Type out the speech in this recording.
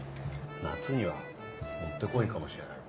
夏にはもってこいかもしれない。